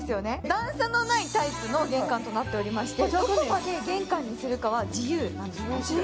段差のないタイプの玄関となっておりまして、どこまで玄関にするかは自由なんです。